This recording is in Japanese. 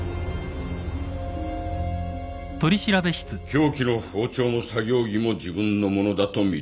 凶器の包丁も作業着も自分の物だと認める。